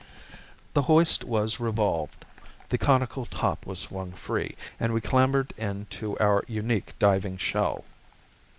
The hoist was revolved, the conical top was swung free, and we clambered into our unique diving shell.